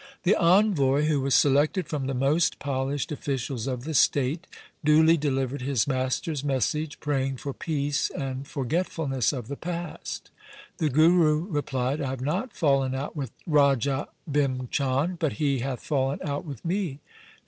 The envoy, who was selected from the most polished officials of the state, duly delivered his master's message praying for peace and forgetfulness of the past. The Guru replied, ' I have not fallen out with Raja Bhim Chand, but he hath fallen out with me.